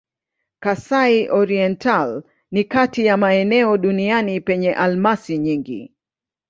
Kasai-Oriental ni kati ya maeneo duniani penye almasi nyingi.